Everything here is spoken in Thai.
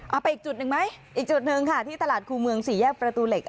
ไปอีกจุดหนึ่งไหมอีกจุดหนึ่งค่ะที่ตลาดคู่เมืองสี่แยกประตูเหล็ก